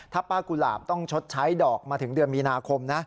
ถ้าป้ากุหลาบต้องชดใช้ดอกมาถึงเดือนมีนาคมนะ